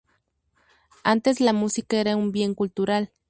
antes la música era un bien cultural